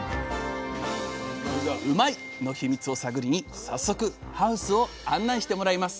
うまいッ！のヒミツを探りに早速ハウスを案内してもらいます！